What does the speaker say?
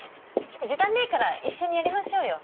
時短でいいから一緒にやりましょうよ。